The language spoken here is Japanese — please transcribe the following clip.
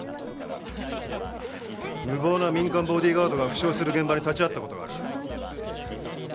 無謀な民間ボディーガードが負傷する現場に立ち会った事がある。